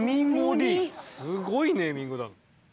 すごいネーミングだ。